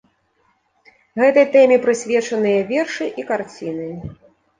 Гэтай тэме прысвечаныя вершы і карціны.